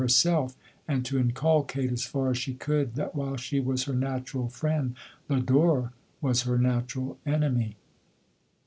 123 herself, and to inculcate, as far as she could, that while she was her natural friend, Lodon was her natural enemy.